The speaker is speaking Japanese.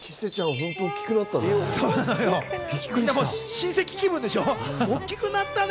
本当、親戚気分でしょ？